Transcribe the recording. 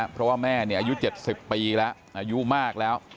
เพราะว่าแม่อายุ๗๐ปีแล้วอายุมากแล้ว